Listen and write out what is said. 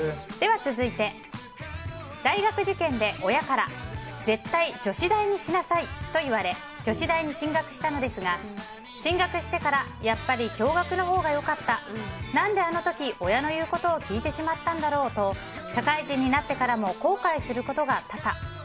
続いて、大学受験で親から絶対、女子大にしなさいと言われ女子大に進学したのですが進学してからやっぱり共学のほうが良かった何であの時、親の言うことを聞いてしまったんだろうと社会人になってからも後悔することが多々。